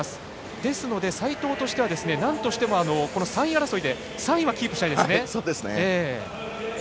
ですので、齋藤としてはなんとしても３位争いで３位はキープしたいですね。